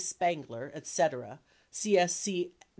Spangler, et cetera , CSC No.